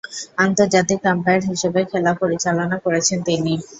আন্তর্জাতিক আম্পায়ার হিসেবে খেলা পরিচালনা করেছেন তিনি।